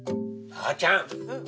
ばあちゃん。